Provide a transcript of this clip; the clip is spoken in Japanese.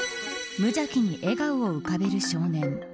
無邪気に笑顔を浮かべる少年。